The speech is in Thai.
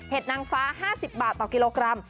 นางฟ้า๕๐บาทต่อกิโลกรัม